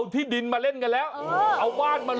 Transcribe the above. ที่ดินด้วย